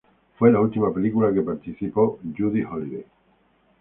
Fue la última película que participó Judy Holliday.